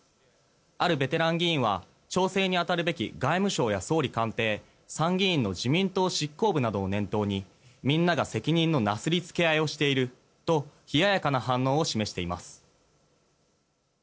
あるベテラン議員は調整に当たるべき外務省や総理官邸参議院の自民党執行部などを念頭にみんなが責任のなすりつけ合いをしていると冷ややかな反応を示しています。